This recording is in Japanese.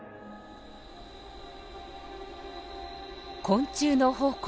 昆虫の宝庫